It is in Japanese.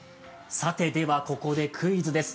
ここでクイズです。